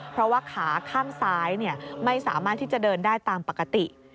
เพราะว่าขาข้างซ้ายไม่สามารถที่จะเดินได้ตามปกติ